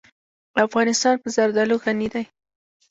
افغانستان په زردالو غني دی.